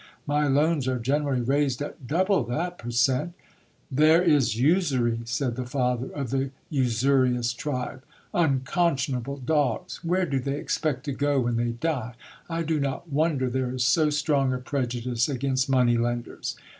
My loans are generally raised at double that per cent!' *Taere is usury ! u said the father of the usurious tribe; ^unconscionable dogs! Where do they expect to go when thev die ? I do not wonder there is so strong a prejudice against money lenders.